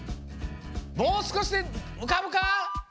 もうすこしでうかぶか？